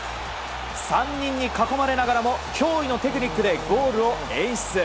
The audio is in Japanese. ３人に囲まれながらも驚異のテクニックでゴールを演出。